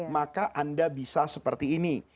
maka anda bisa seperti ini